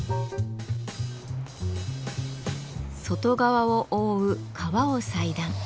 外側を覆う革を裁断。